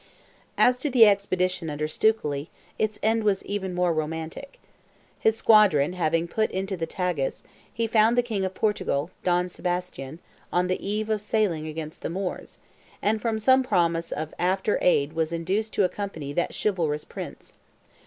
As to the expedition under Stukely, its end was even more romantic. His squadron having put into the Tagus, he found the King of Portugal, Don Sebastian, on the eve of sailing against the Moors, and from some promise of after aid was induced to accompany that chivalrous Prince.